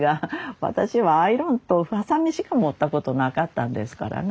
私はアイロンとハサミしか持ったことなかったんですからね。